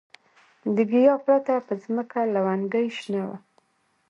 د ګیاه پرته په ځمکه لونګۍ شنه وه.